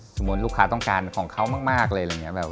สมมุติลูกค้าต้องการของเขามากเลย